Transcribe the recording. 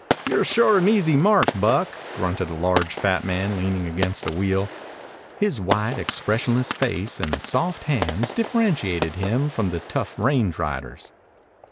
"You're sure an easy mark, Buck," grunted a large fat man leaning against a wheel. His white, expressionless face and soft hands differentiated him from the tough range riders.